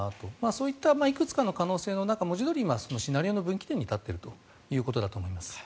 そういったいくつかの可能性中文字どおり、今、シナリオの分岐点に立っているということだと思います。